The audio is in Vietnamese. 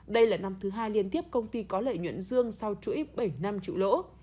đây là năm thứ hai liên tiếp công ty có lợi nhuận dương sau chủ yếu bảy mươi năm triệu lỗ